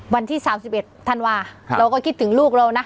วันที่๓๑ธันวาเราก็คิดถึงลูกเรานะ